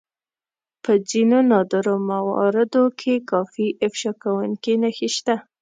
په ځينو نادرو مواردو کې کافي افشا کوونکې نښې شته.